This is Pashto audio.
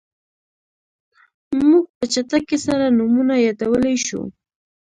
موږ په چټکۍ سره نومونه یادولی شو.